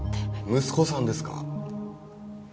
息子さんですか？